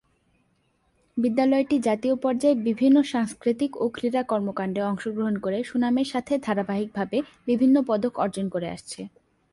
বিদ্যালয়টি জাতীয় পর্যায়ে বিভিন্ন সাংস্কৃতিক ও ক্রীড়া কর্মকাণ্ডে অংশগ্রহণ করে সুনামের সাথে ধারাবাহিকভাবে বিভিন্ন পদক অর্জন করে আসছে।